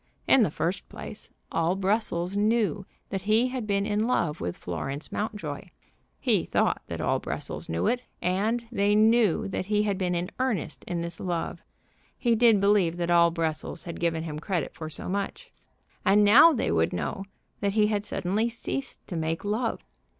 In the first place, all Brussels knew that he had been in love with Florence Mountjoy. He thought that all Brussels knew it. And they knew that he had been in earnest in this love. He did believe that all Brussels had given him credit for so much. And now they would know that he had suddenly ceased to make love.